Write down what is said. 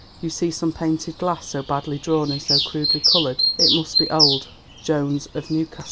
You see ... some painted glass so badly drawn and so crudely coloured it must be old Jones of Newcastle."